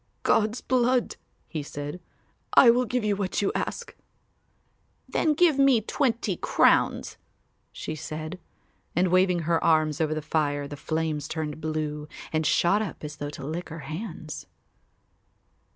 "God's blood," he said, "I will give you what you ask." "Then give me twenty crowns," she said, and waving her arms over the fire the flames turned blue and shot up as though to lick her hands.